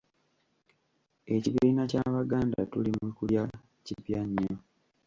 Ekibiina Ky'Abaganda Tuli Mu Kulya kipya nnyo.